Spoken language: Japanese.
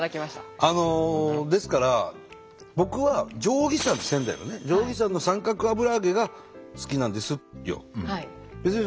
あのですから僕は定義山って仙台のね定義山の三角油揚げが好きなんですよ。